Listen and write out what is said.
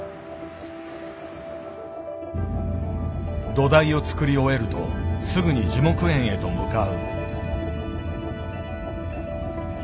土台を造り終えるとすぐに樹木園へと向かう。